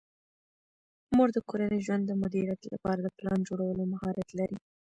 مور د کورني ژوند د مدیریت لپاره د پلان جوړولو مهارت لري.